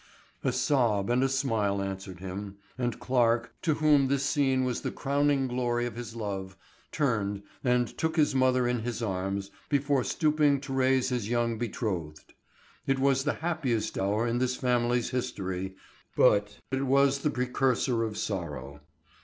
A sob and a smile answered him, and Clarke, to whom this scene was the crowing glory of his love, turned and took his mother in his arms, before stooping to raise his young betrothed. It was the happiest hour in this family's history, but it was the precursor of sorrow.